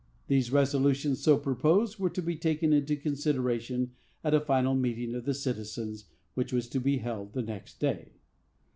These resolutions, so proposed, were to be taken into consideration at a final meeting of the citizens, which was to be held the next day.